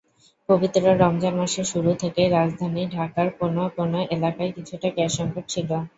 পবিত্র রমজান মাসের শুরু থেকেই রাজধানী ঢাকার কোনো কোনো এলাকায় কিছুটা গ্যাসসংকট ছিল।